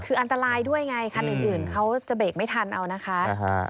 คืออันตรายด้วยไงคันอื่นเขาจะเบรกไม่ทันเอานะคะ